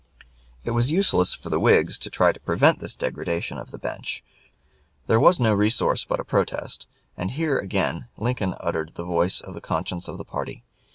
It was useless for the Whigs to try to prevent this degradation of the bench. There was no resource but a protest, and here again Lincoln uttered the voice of the conscience of the party.